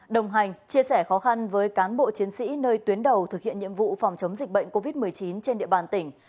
đồng hành chia sẻ khó khăn với cán bộ chiến sĩ nơi tuyến đầu thực hiện nhiệm vụ phòng chống dịch bệnh covid một mươi chín trên địa bàn tỉnh